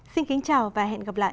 xin kính chào và hẹn gặp lại